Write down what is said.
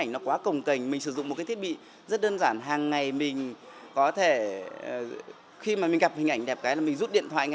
nó cũng chưa đắt giá thật sự có thể là do